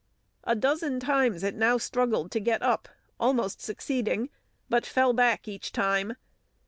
A dozen times it now struggled to get up, almost succeeding, but fell back each time.